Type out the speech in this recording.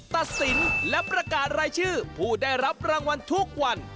ตัดสินและประกาศรายชื่อผู้ได้รับรางวัลทุกวัน